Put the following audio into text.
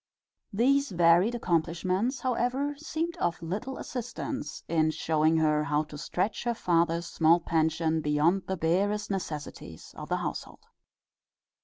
These varied accomplishments, however, seemed of little assistance in showing her how to stretch her father's small pension beyond the barest necessities of the household.